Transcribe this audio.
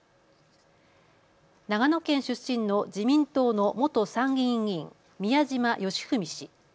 長野県出身の自民党の元参議院議員、宮島喜文氏。